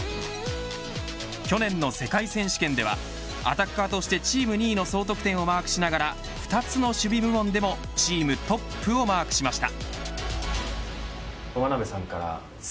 去年の世界選手権ではアタッカーとしてチーム２位の総得点をマークしながら２つの守備部門でもチームトップをマークしました。